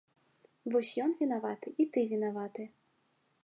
Вось ён вінаваты і ты вінаваты!